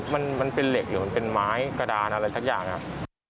มันเป็นเหล็กหรือมันเป็นไม้กระดานอะไรสักอย่างครับ